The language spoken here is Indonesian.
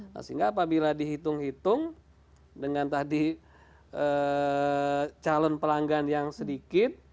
nah sehingga apabila dihitung hitung dengan tadi calon pelanggan yang sedikit